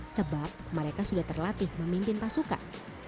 sebab mereka sudah terlatih memimpin pasukan